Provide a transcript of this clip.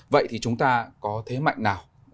vậy thì chúng ta có thế mạnh nào